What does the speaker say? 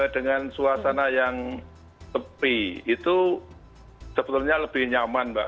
dengan suasana yang sepi itu sebetulnya lebih nyaman mbak